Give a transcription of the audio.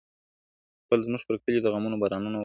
خو زموږ پر کلي د غمونو بارانونه اوري `